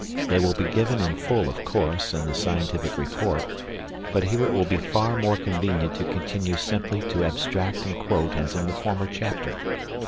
They will be given in full, of course, in the scientific report, but here it will be far more convenient to continue simply to abstract and quote as in the former chapter.